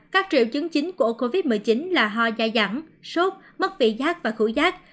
các triệu chứng chính của covid một mươi chín là hoa dài giảm sốt mất vị giác và khủy giác